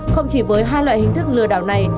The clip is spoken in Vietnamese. không chỉ với hai loại hình thức lừa đảo này